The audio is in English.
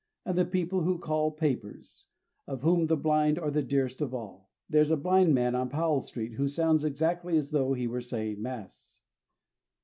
And the people who call papers, of whom the blind are the dearest of all. There's a blind man on Powell street who sounds exactly as though he were saying Mass.